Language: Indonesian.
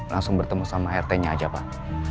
langsung bertemu sama rt nya aja pak